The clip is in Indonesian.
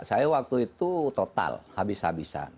saya waktu itu total habis habisan